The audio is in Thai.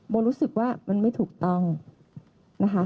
รู้สึกว่ามันไม่ถูกต้องนะคะ